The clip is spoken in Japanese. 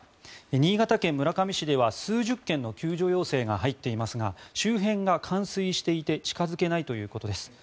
新潟県村上市では、数十件の救助要請が入っていますが周辺が冠水していて近付けないということです。